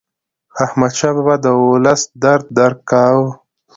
احمدشاه بابا د ولس درد درک کاوه.